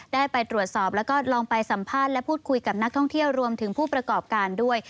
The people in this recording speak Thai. ได้ไปตรวจสอบแล้วก็ลองไปสัมภาษณ์และพูดคุยกับนักท่องเที่ยวรวมถึงผู้ประกอบการด้วย